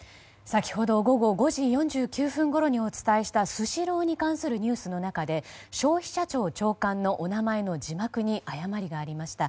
先ほど午後５時４９分ごろにお伝えしたスシローに関するニュースの中で消費者庁長官のお名前の字幕に誤りがありました。